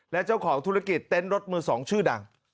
และเจ้าของธุรกิจเต็นต์รถมือ๒ชื่อดัง